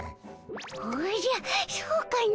おじゃそうかの。